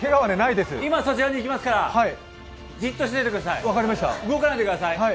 今そちらに行きますからじっとしててください動かないでください。